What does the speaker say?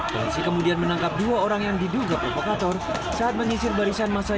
polisi kemudian menangkap dua orang yang diduga provokator saat mengisir barisan masa yang terlalu lama